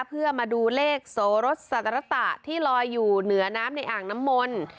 เพื่อมาดูเลขโสรสสรตะที่ลอยอยู่เหนือน้ำในอ่างน้ำมนต์